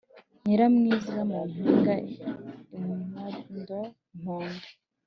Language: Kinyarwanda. Nyiramwiza mu mpinga.-Imondo - Impongo.